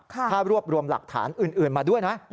ถ้ารวบรวมหลักฐานอื่นมาด้วยนะ